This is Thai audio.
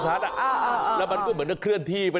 ตามเก็บรอยเท้าเคยได้ยินเหมือนกัน